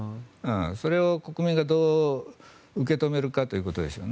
それを国民がどう受け止めるかということでしょうね。